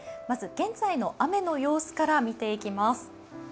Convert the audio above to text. まず現在の雨の様子から見ていきます。